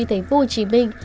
thành phố hồ chí minh